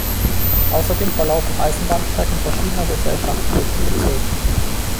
Außerdem verlaufen Eisenbahnstrecken verschiedener Gesellschaften durch den Bezirk.